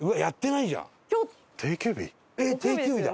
えっ定休日だ。